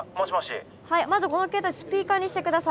まずこの携帯スピーカーにして下さい。